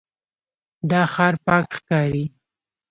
دا ښار پاک ښکاري.